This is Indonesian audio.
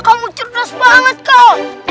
kamu cerdas banget kak